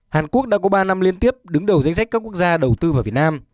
hàn quốc đã có ba năm liên tiếp đứng đầu danh sách các quốc gia đầu tư vào việt nam